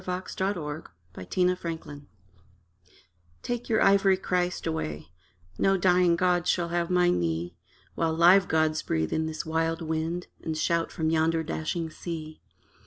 THE DYING PANTHEIST TO THE PRIEST Take your ivory Christ away: No dying god shall have my knee, While live gods breathe in this wild wind And shout from yonder dashing sea.